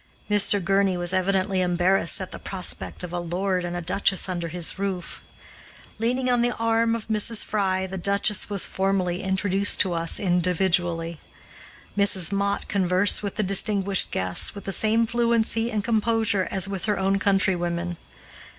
Mr. Gurney was evidently embarrassed at the prospect of a lord and a duchess under his roof. Leaning on the arm of Mrs. Fry, the duchess was formally introduced to us individually. Mrs. Mott conversed with the distinguished guests with the same fluency and composure as with her own countrywomen.